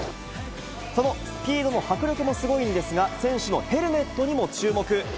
そのスピードの迫力もすごいんですが、選手のヘルメットにも注目。